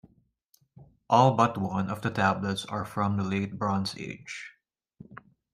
All but one of the tablets are from the Late Bronze Age.